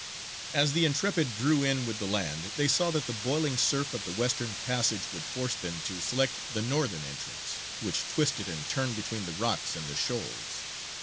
As the Intrepid drew in with the land, they saw that the boiling surf of the western passage would force them to select the northern entrance, which twisted and turned between the rocks and the shoals.